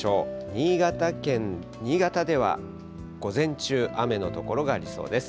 新潟県、新潟では午前中、雨の所がありそうです。